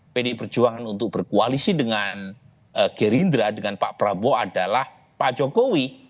pdi perjuangan untuk berkoalisi dengan gerindra dengan pak prabowo adalah pak jokowi